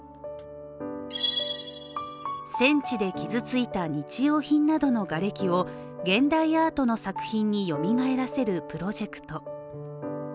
戦地で傷ついた日用品などのがれきを現代アートの作品によみがえらせるプロジェクト。